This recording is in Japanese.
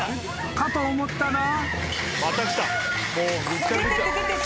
［かと思ったら］